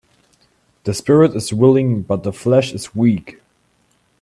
The spirit is willing but the flesh is weak